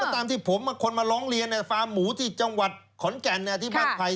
ตามที่ผมคนมาร้องเรียนฟาร์มหมูที่จังหวัดขอนแก่นที่บ้านไผ่